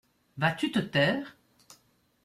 Vas-tu te taire ?